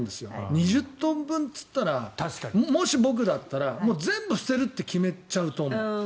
２０トン分っていったらもしも僕だったら全部捨てるって決めちゃうと思う。